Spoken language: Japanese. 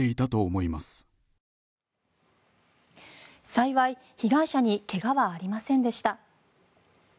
幸い、被害者に怪我はありませんでした。